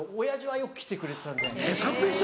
親父はよく来てくれてたんで。